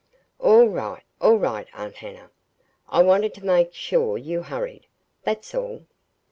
"All right, all right, Aunt Hannah. I wanted to make sure you hurried, that's all.